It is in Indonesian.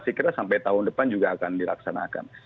saya kira sampai tahun depan juga akan dilaksanakan